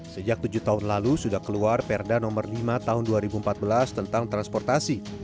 sejak tujuh tahun lalu sudah keluar perda nomor lima tahun dua ribu empat belas tentang transportasi